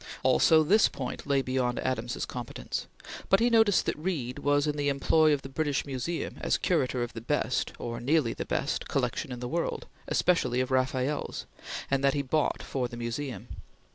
Also this point lay beyond Adams's competence; but he noted that Reed was in the employ of the British Museum as Curator of the best or nearly the best collection in the world, especially of Rafaels, and that he bought for the Museum.